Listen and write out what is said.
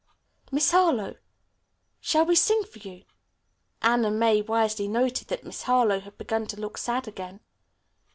"Miss Harlowe, shall we sing for you?" Anna May wisely noted that Miss Harlowe had begun to look "sad" again.